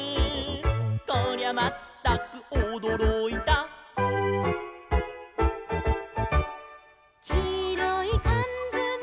「こりゃまったくおどろいた」「きいろいかんづめ」